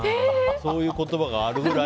そういう言葉があるくらい。